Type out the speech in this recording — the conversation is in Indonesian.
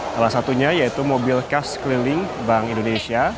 salah satunya yaitu mobil khas keliling bank indonesia